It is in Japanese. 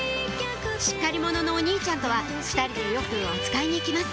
しっかり者のお兄ちゃんとは２人でよくおつかいに行きます